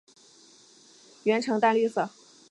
喙呈淡绿色。